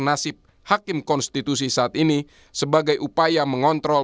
nasib hakim konstitusi saat ini sebagai upaya mengontrol